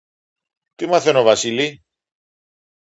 Τι μαθαίνω, Βασίλη;